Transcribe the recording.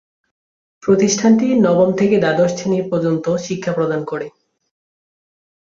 প্রতিষ্ঠানটি নবম থেকে দ্বাদশ শ্রেণী পর্যন্ত শিক্ষা প্রদান করে।